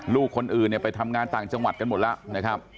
ลูกคนอื่นเนี่ยไปทำงานต่างจังหวัดกันหมดแล้วนะครับ